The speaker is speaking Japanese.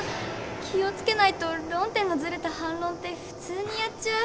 気を付けないと論点のずれた反論って普通にやっちゃう。